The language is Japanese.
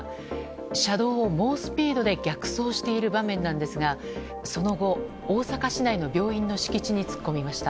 車道を猛スピードで逆走している場面なんですがその後、大阪市内の病院の敷地に突っ込みました。